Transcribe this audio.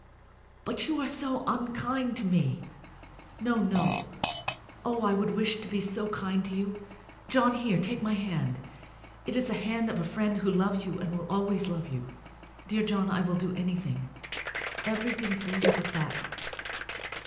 "But you are so unkind to me!" "No, no; oh, I would wish to be so kind to you! John, here; take my hand. It is the hand of a friend who loves you, and will always love you. Dear John, I will do anything, everything for you but that."